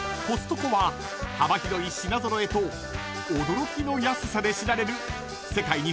［コストコは幅広い品揃えと驚きの安さで知られる］